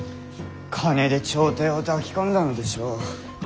金で朝廷を抱き込んだのでしょう。